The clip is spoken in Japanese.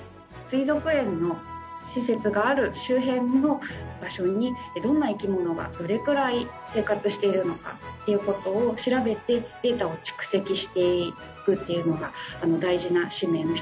水族園の施設がある周辺の場所にどんな生き物がどれくらい生活しているのかという事を調べてデータを蓄積していくというのが大事な使命の一つになります。